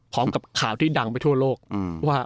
พร้อมกับข่าวที่ดังไปทั่วโลกว่า